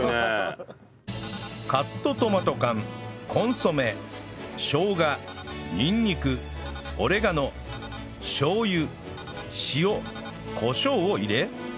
カットトマト缶コンソメしょうがにんにくオレガノしょう油塩コショウを入れ